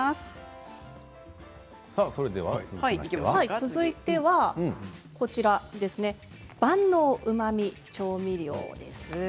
続いては万能うまみ調味料です。